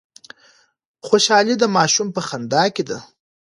خوشحالي د ماشوم په خندا کي ده.